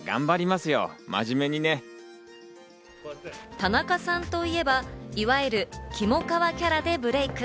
田中さんといえば、いわゆるキモかわキャラでブレーク。